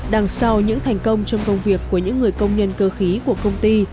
đằng sau những thành công trong công việc của những người công nhân cơ khí của công ty